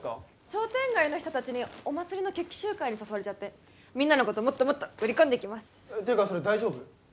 商店街の人達にお祭りの決起集会に誘われちゃってみんなのこともっともっと売り込んできますていうかそれ大丈夫？